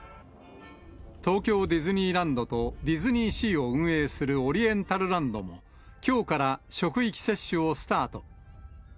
東京ディズニーランドとディズニーシーを運営するオリエンタルランドも、きょうから職域接種をスタート。